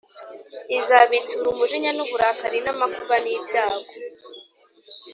izabitura umujinya n’uburakari n’amakuba n’ibyago